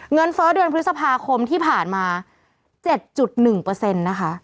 เฟ้อเดือนพฤษภาคมที่ผ่านมา๗๑นะคะ